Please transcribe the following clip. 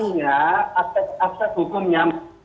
aspek hukumnya aspek hukumnya